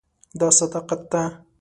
دا صداقت ده.